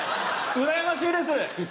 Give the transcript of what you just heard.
うらやましいです！